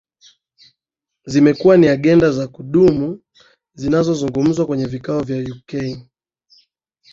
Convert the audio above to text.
Zimekuwa ni agenda za kudumu zinazozungumzwa kwenye vikao vya uk